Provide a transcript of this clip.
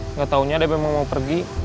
nggak taunya ada yang mau pergi